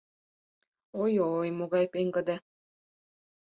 Ой-ой, могай пеҥгыде...